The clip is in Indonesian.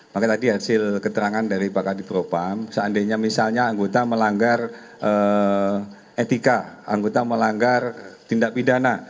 maka tadi hasil keterangan dari pak kadifropam seandainya misalnya anggota melanggar etika anggota melanggar tindak pidana